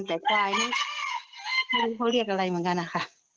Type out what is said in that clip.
แต่ควายนี่ไม่รู้เขาเรียกอะไรเหมือนกันนะคะ